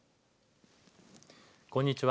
こんにちは。